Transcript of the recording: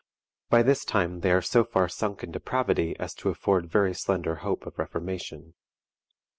By this time they are so far sunk in depravity as to afford very slender hope of reformation.